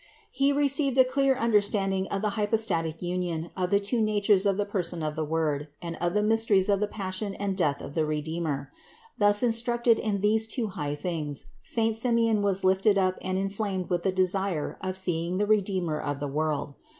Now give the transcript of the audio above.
He received a clear understanding of the hypostatic union of the two natures in the person of the Word, and of the mysteries of the passion and death of the Redeemer. Thus instructed in these two high things, saint Simeon was lifted up and inflamed with the desire of seeing the Redeemer of the world.